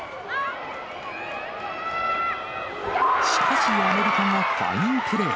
しかしアメリカがファインプレー。